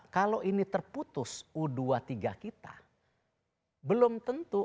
kalau ini terputus u dua puluh tiga kita belum tentu